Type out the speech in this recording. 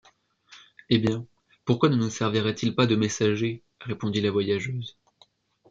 Eh bien, pourquoi ne nous serviraient-ils pas de messagers? répondit la voyageuse.